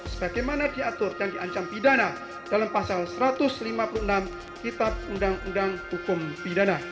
sebagaimana diatur dan diancam pidana dalam pasal satu ratus lima puluh enam kuhp